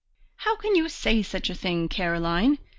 "How can you say such a thing, Caroline?